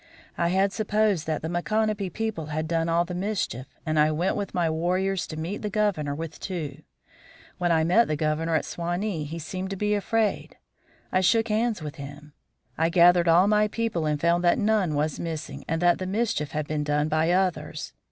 I had supposed that the Micanopy people had done all the mischief, and I went with my warriors to meet the Governor with two. When I met the Governor at Suwanee he seemed to be afraid; I shook hands with him. I gathered all my people and found that none was missing, and that the mischief had been done by others.